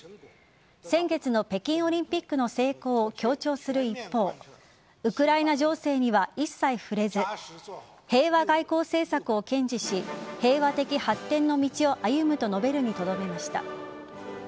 先月の北京オリンピックの成功を強調する一方ウクライナ情勢には一切触れず平和外交政策を堅持し平和的発展の道を歩むと述べるにとどめました。